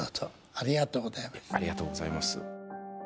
ありがとうございます。